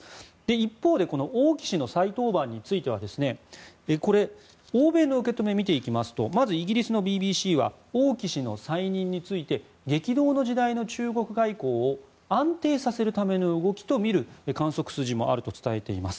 一方で王毅氏の再登板については欧米の受け止めを見ていきますとまずイギリスのＢＢＣは王毅氏の再任について激動の時代の中国外交を安定させるための動きとみる観測筋もあると伝えています。